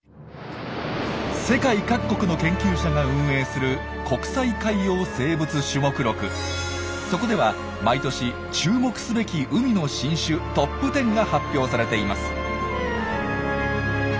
世界各国の研究者が運営するそこでは毎年「注目すべき海の新種トップ１０」が発表されています。